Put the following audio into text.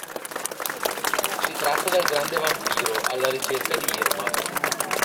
Si tratta del Grande Vampiro, alla ricerca di Irma.